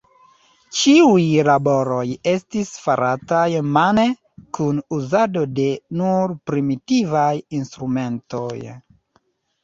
Ĉiuj laboroj estis farataj mane kun uzado de nur primitivaj instrumentoj.